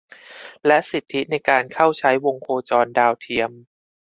และสิทธิในการเข้าใช้วงโคจรดาวเทียม